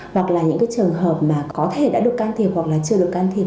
hoặc là những cái trường hợp mà có thể đã được can thiệp hoặc là chưa được can thiệp